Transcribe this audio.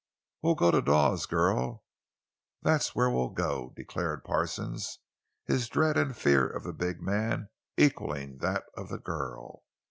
"We'll go to Dawes, girl; that's where we'll go!" declared Parsons, his dread and fear of the big man equaling that of the girl.